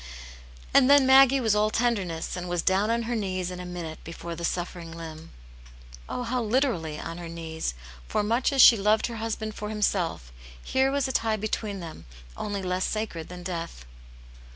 And then Maggie was all tenderness and was down on her knees in a minute before the suffering limb ; oh, how literally on her knees, for much as she loved her husband for himself, here was a tie between them only less sacred than death.